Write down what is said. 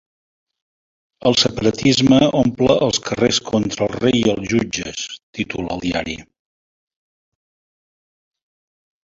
El separatisme omple els carrers contra el rei i els jutges, titula el diari.